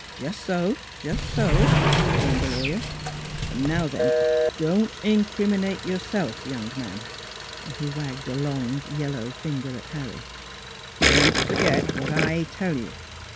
" Just so, just so," confirmed the lawyer. " Now then, don't incriminate yourself, young man!" He wagged a long, yellow finger at Harry. " Don't forget what I tell you.